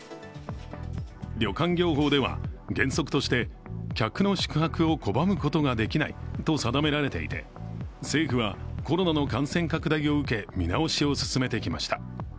旅館業法では原則として客の宿泊を拒むことができないと定められていて政府はコロナの感染拡大を受け見直しを進めてきました。